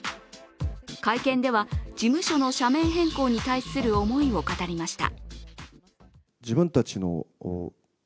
会見では、事務所の社名変更に対する思いを語りました。